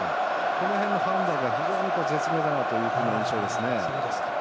その辺の判断が非常に絶妙だなという印象ですね。